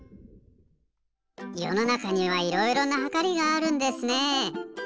よのなかにはいろいろなはかりがあるんですね。